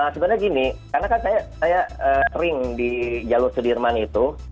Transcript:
sebenarnya gini karena kan saya sering di jalur sudirman itu